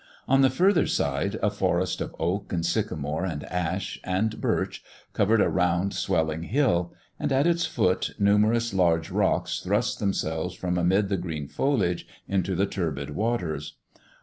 On the further side a forest of oak, and sycamore, and ash, and birch covered a round swelling hill ; and at its foot, numerous large rocks thrust themselves from amid the green foliage into the turbid waters.